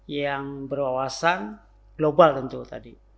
yang berwawasan global tentu tadi